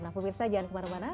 nah pemirsa jangan kemana mana